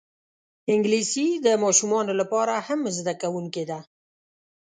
انګلیسي د ماشومانو لپاره هم زده کېدونکی ده